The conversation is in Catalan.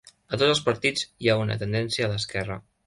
A tots els partits hi ha una tendència a l'esquerra.